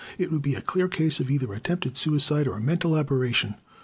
It would be a clear case of either attempted suicide or mental aberration.